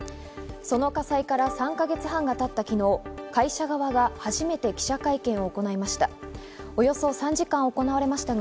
その火災から３か月半がたった昨日、会社側が初めて記者会見を行いました。